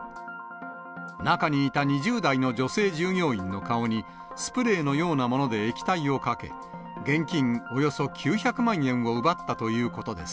中にいた２０代の女性従業員の顔にスプレーのようなもので液体をかけ、現金およそ９００万円を奪ったということです。